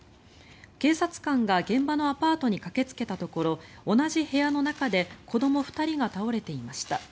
警察官が現場のアパートに駆けつけたところ同じ部屋の中で子ども２人が倒れていました。